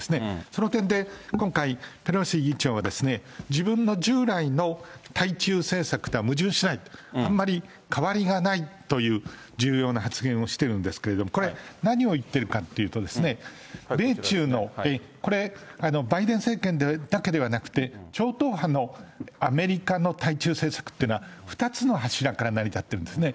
その点で今回、ペロシ議長は、自分の従来の対中政策とは矛盾しない、あんまり変わりがないという重要な発言をしてるんですけれども、これ、何を言ってるかというと、米中の、これ、バイデン政権だけではなくて、超党派のアメリカの対中政策っていうのは、２つの柱から成り立ってるんですね。